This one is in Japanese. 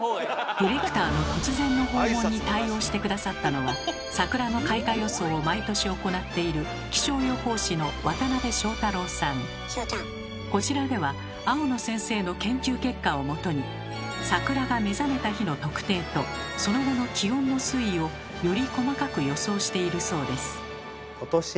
ディレクターの突然の訪問に対応して下さったのは桜の開花予想を毎年行っているこちらでは青野先生の研究結果をもとにより細かく予想しているそうです。